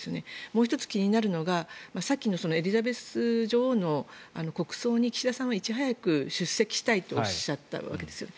もう１つ気になるのがさっきのエリザベス女王の国葬に岸田さんはいち早く出席したいとおっしゃったわけですよ。